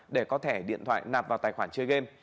để có thẻ điện thoại nạp vào tài khoản chơi game